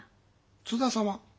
津田様？